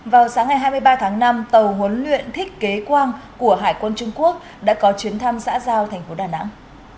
vào sáng ngày hai mươi ba tháng năm tàu huấn luyện thích kế quang của hải quân trung quốc đã có chuyến thăm xã giao thành phố đà nẵng